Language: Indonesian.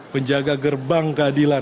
penjaga gerbang keadilan